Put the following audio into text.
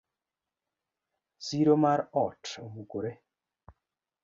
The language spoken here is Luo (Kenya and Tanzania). Siro mar ot omukore.